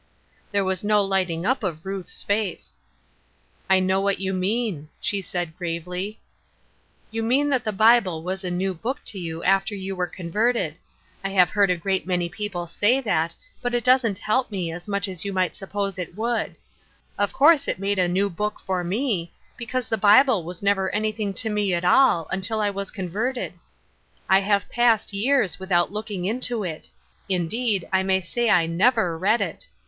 There was no lighting up of Ruth's face. " 1 know what you mean," she said, gravely 202 Ruth Erskine's Crosses. " You mean that the Bible was a new book to you after you were converted. I have heard a great many people say that, but it doesn't help me as much as you might suppose it would. Of course it made a new book for me^ because the Bible was never anything to me at all, until I was converted. I have passed years without looking into it ; indeed, I may say I never read it.